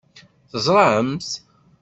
Teẓṛam-t?